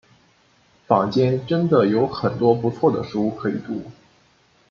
坊间真的有很多不错的书可以读